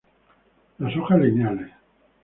Las hojas lineales.